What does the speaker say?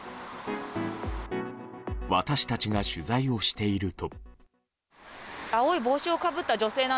私たちが取材をしていると。